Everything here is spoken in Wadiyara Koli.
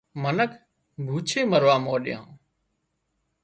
منک ڀوڇي مروا مانڏيان